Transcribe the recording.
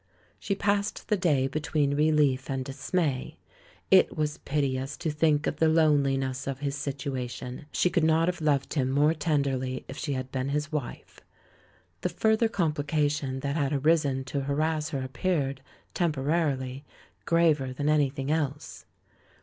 She passed the day between relief and dismay. It was piteous to think of the loneliness of his situation. She could not have loved him more tenderly if she had been his wife; the further complication that had arisen to harass her ap peared, temporarily, graver than anything else.